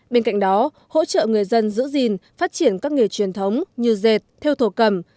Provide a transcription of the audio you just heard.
bên cạnh đó hỗ trợ người dân giữ gìn phát triển các nghề truyền thống như dệt theo thổ cầm